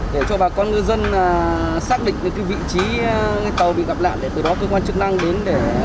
để cho bà con ngư dân xác định được điều kiện